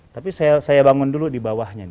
tapi saya bangun dulu di bawahnya